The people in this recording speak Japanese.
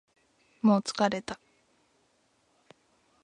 もう疲れた